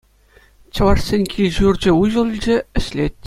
Чӑвашсен кил-ҫурчӗ уҫӑлчӗ, ӗҫлет.